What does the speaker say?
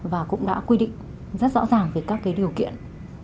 và cũng đã quy định rất rõ ràng về các cái điều kiện